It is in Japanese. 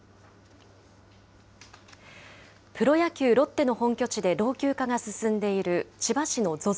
プロ野球・ロッテの本拠地で、老朽化が進んでいる、千葉市のＺＯＺＯ